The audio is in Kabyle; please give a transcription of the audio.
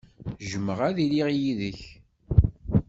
Jjmeɣ ad iliɣ yid-k.